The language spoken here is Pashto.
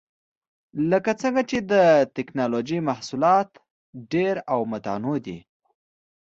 لکه څنګه چې د ټېکنالوجۍ محصولات ډېر او متنوع دي.